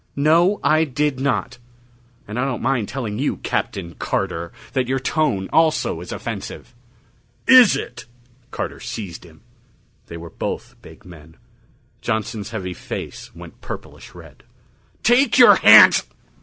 "No, I did not. And I don't mind telling you, Captain Carter, that your tone also is offensive!" "Is it?" Carter seized him. They were both big men. Johnson's heavy face went purplish red. "Take your hands